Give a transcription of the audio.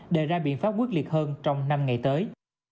đề ra biện pháp quyết liệt hơn trong năm ngày tới